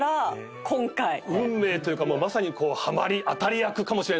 運命というかまさにはまり当たり役かもしれないですよね。